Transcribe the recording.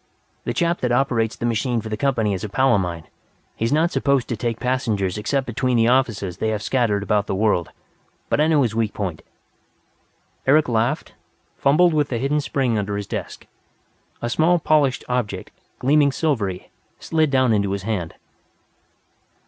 The chap that operates the machine for the company is a pal of mine. He's not supposed to take passengers except between the offices they have scattered about the world. But I know his weak point " Eric laughed, fumbled with a hidden spring under his desk. A small polished object, gleaming silvery, slid down into his hand.